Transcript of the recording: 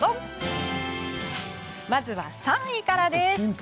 まずは３位からです。